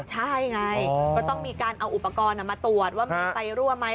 ใช่ไงก็ต้องมีการเอาอุปกรณ์มาตรวจว่ามีไฟรั่วไหม